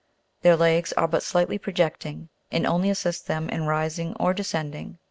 Their legs are but slightly projecting, and only assist them in rising or descending in the 14.